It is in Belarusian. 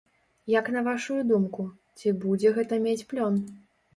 Як на вашую думку, ці будзе гэта мець плён?